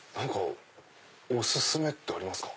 お薦めってありますか？